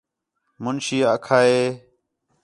مُنشی آکھا ہِے